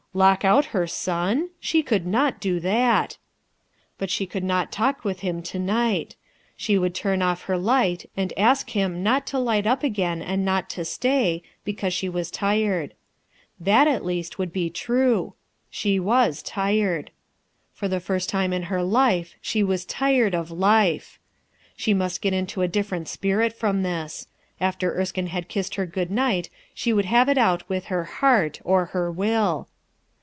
Lock out her son? She could not do that! but she could not talk with him to night; she would turn off her light and ask him not to light up again and not to stay, because she was tired. That at least would be true: she was tired. For the first time in her life she was tired of life ! She must get into a different spirit from this. After Erskine had kissed her good night she would have it out with her heart, or her will.